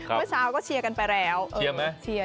เมื่อเช้าก็เชียร์กันไปแล้วเชียร์ไหมเชียร์